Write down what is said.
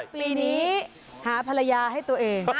ปีนี้หาภรรยาให้ตัวเอง